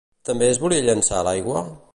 També es volia llençar a l'aigua?